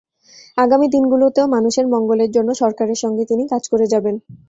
আগামী দিনগুলোতেও মানুষের মঙ্গলের জন্য সরকারের সঙ্গে তিনি কাজ করে যাবেন।